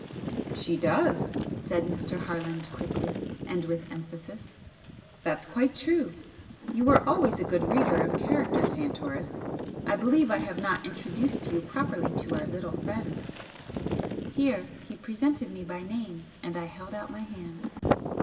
"She does!" said Mr. Harland, quickly, and with emphasis "That's quite true! You were always a good reader of character, Santoris! I believe I have not introduced you properly to our little friend" here he presented me by name and I held out my hand.